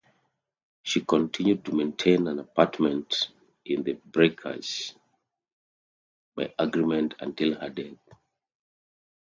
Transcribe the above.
She continued to maintain an apartment in The Breakers by agreement until her death.